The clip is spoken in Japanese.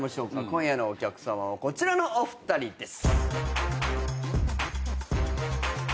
今夜のお客さまはこちらのお二人です。